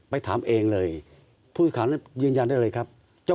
ไปถามเองเลยผู้สื่อข่าวนั้นยืนยันได้เลยครับ